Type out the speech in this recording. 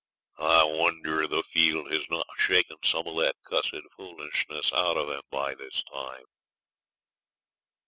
I wonder the field has not shaken some of that cussed foolishness out of him by this time.'